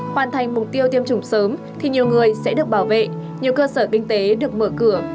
hoàn thành mục tiêu tiêm chủng sớm thì nhiều người sẽ được bảo vệ nhiều cơ sở kinh tế được mở cửa